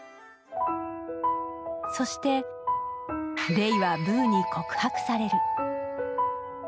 そして、レイはブーに告白される。